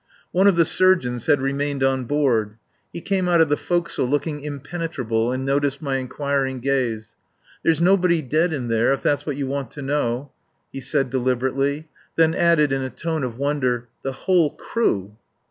One of the surgeons had remained on board. He came out of the forecastle looking impenetrable, and noticed my inquiring gaze. "There's nobody dead in there, if that's what you want to know," he said deliberately. Then added in a tone of wonder: "The whole crew!"